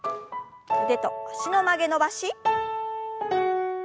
腕と脚の曲げ伸ばし。